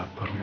aku lapar ma